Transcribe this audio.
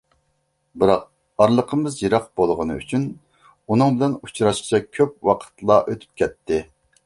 بىراق ئارىلىقىمىز يىراق بوغىنى ئۈچۈن ئۇنىڭ بىلەن ئۇچراشقىچە كۆپ ۋاقىتلا ئۆتۈپ كەتتى.